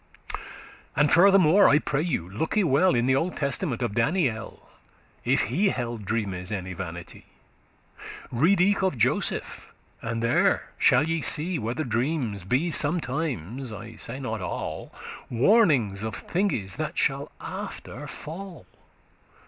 And furthermore, I pray you looke well In the Old Testament, of Daniel, If he held dreames any vanity. Read eke of Joseph, and there shall ye see Whether dreams be sometimes (I say not all) Warnings of thinges that shall after fall.